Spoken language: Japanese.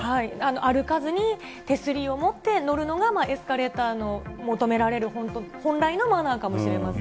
歩かずに手すりを持って乗るのがエスカレーターの求められる本来のマナーかもしれません。